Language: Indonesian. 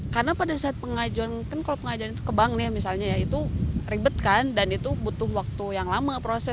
karena pada saat pengajuan kalau pengajuan itu ke bank misalnya itu ribet kan dan itu butuh waktu yang lama proses